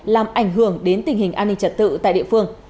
làm ảnh hưởng đến tình hình an ninh trật tự tại địa phương